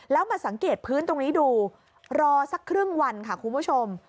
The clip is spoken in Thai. แล้วมาสังเกตพื้นตรงนี้ดูรอสักครึ่งวันค่ะคุณผู้ชม